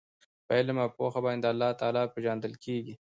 په علم او پوهه باندي الله تعالی پېژندل کیږي